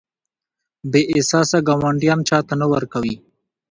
بې احساسه ګاونډیان چاته نه ورکوي.